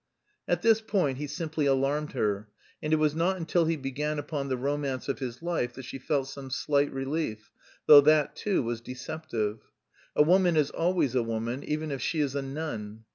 At this point he simply alarmed her, and it was not until he began upon the romance of his life that she felt some slight relief, though that too was deceptive. A woman is always a woman even if she is a nun.